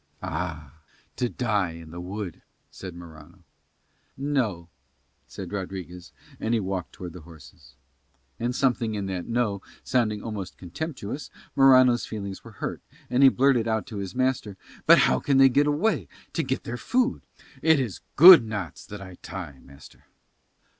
"Ah. To die in the wood," said Morano. "No," said Rodriguez; and he walked towards the horses. And something in that "No" sounding almost contemptuous, Morano's feelings were hurt, and he blurted out to his master "But how can they get away to get their food? It is good knots that I tie, master."